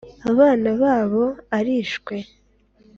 Abana babo arishwe